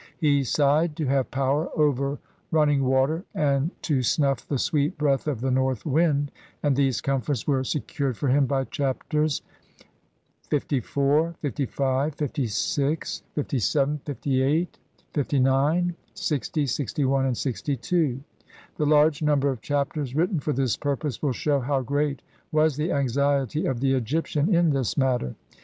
He sighed to have power over running water and to snuff the sweet breath of the north wind, and these comforts were secured for him by Chapters LIV, LV, LVI, LVII, LVIII, LIX, LX, LXI, and LXII ; the large number of Chapters written for this purpose will shew how great was the anxiety of the Egyptian in this matter.